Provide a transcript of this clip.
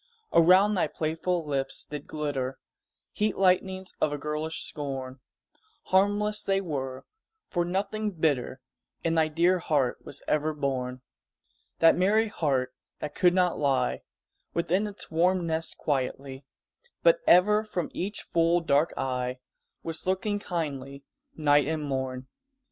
Around thy playful lips did glitter Heat lightnings of a girlish scorn; Harmless they were, for nothing bitter In thy dear heart was ever born That merry heart that could not lie Within its warm nest quietly, But ever from each full, dark eye Was looking kindly night and morn.